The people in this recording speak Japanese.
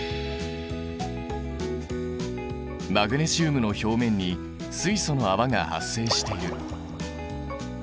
マグネシウムの表面に水素の泡が発生している。